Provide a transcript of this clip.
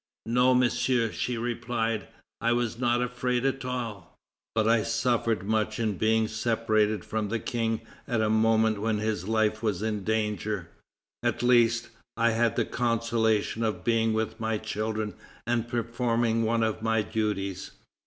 "No, Monsieur," she replied, "I was not at all afraid; but I suffered much in being separated from the King at a moment when his life was in danger. At least, I had the consolation of being with my children and performing one of my duties."